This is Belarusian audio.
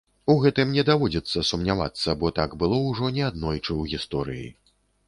У гэтым не даводзіцца сумнявацца, бо так было ўжо неаднойчы ў гісторыі.